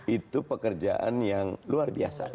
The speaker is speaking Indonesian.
itu pekerjaan yang luar biasa